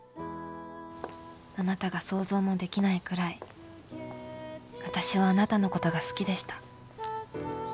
あなたが想像もできないくらい私はあなたのことが好きでした。